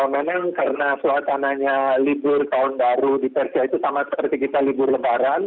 memang karena suasananya libur tahun baru di persia itu sama seperti kita libur lebaran